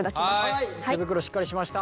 はい手袋しっかりしました。